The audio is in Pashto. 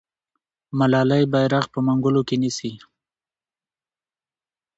ملالۍ بیرغ په منګولو کې نیسي.